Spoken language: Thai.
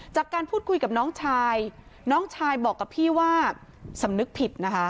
จากการพูดคุยกับน้องชายน้องชายบอกกับพี่ว่าสำนึกผิดนะคะ